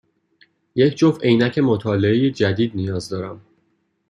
یک جفت عینک مطالعه جدید نیاز دارم.